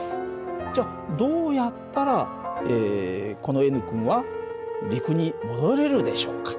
じゃどうやったらこのＮ君は陸に戻れるでしょうか。